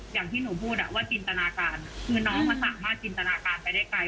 อย่างที่หนูพูดว่าจินตนาการคือน้องมันสามารถจินตนาการไปได้ไกล